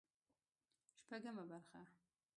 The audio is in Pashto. شپږمه برخه